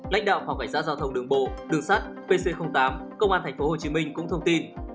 lãnh đạo phòng cảnh sát giao thông đường bộ đường sắt pc tám công an tp hcm cũng thông tin